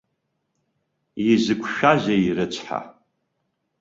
Изықәшәазеи, рыцҳа!